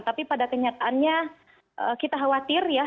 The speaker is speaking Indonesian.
tapi pada kenyataannya kita khawatir ya